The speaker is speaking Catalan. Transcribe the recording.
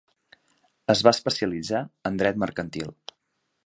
Es va especialitzar en dret mercantil.